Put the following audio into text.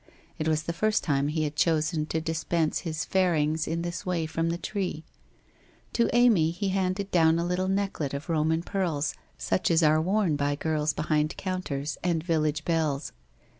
It was the first time he had chosen to dispense his ' fairings ' in this way from the tree. To Amy he handed down a little necklet of Roman pearls such as are worn by girls behind counters, and village belles.